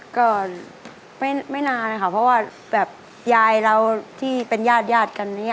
ก็ไม่นานค่ะเพราะว่ายายเราที่เป็นญาติกันนี้